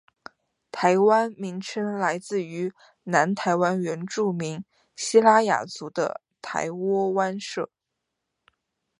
“台湾”名称来自于南台湾原住民西拉雅族的台窝湾社。